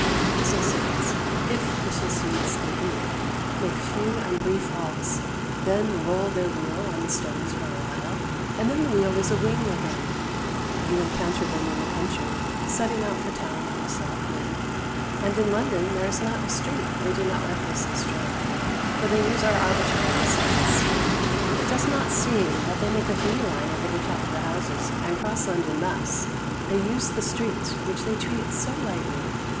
Thistle seeds if thistle seeds they be make few and brief halts, then roll their wheel on the stones for a while, and then the wheel is a wing again. You encounter them in the country, setting out for town on a south wind, and in London there is not a street they do not recklessly stray along. For they use our arbitrary streets; it does not seem that they make a bee line over the top of the houses, and cross London thus. They use the streets which they treat so lightly.